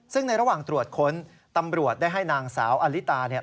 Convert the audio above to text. ซึ่งในระหว่างตรวจค้นตำรวจได้ให้นางสาวอลิตาเนี่ย